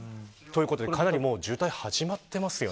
かなり渋滞が始まってますよね。